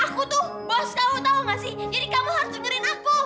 aku tuh bos kamu tau gak sih jadi kamu harus dengerin aku